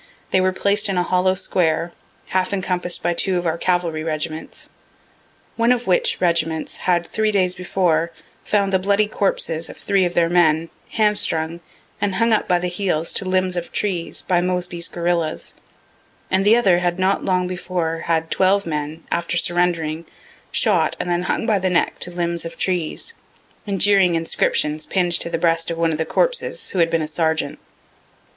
They were placed in a hollow square, half encompass'd by two of our cavalry regiments, one of which regiments had three days before found the bloody corpses of three of their men hamstrung and hung up by the heels to limbs of trees by Moseby's guerillas, and the other had not long before had twelve men, after surrendering, shot and then hung by the neck to limbs of trees, and jeering inscriptions pinn'd to the breast of one of the corpses, who had been a sergeant.